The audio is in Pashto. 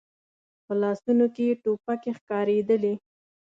په لاسونو کې يې ټوپکې ښکارېدلې.